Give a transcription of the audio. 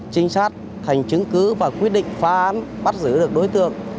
trinh sát thành chứng cứ và quyết định phá án bắt giữ được đối tượng